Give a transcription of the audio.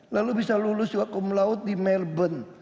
lalu bisa lulus juga kumlaut di melbourne